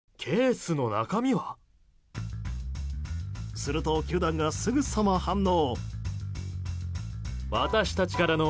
すると球団がすぐさま反応。